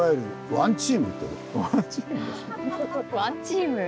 ワンチーム。